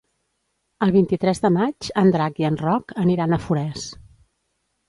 El vint-i-tres de maig en Drac i en Roc aniran a Forès.